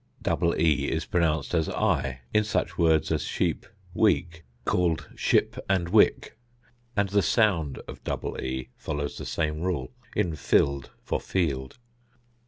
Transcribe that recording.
Double e is pronounced as i in such words as sheep, week, called ship and wick; and the sound of double e follows the same rule in fild for field.